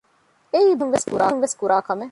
އެއީ ބޮޑެތި މީހުންވެސް ކުރާ ކަމެއް